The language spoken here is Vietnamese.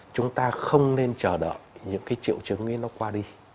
chúng ta không nên chờ đợi những triệu chứng nó qua đi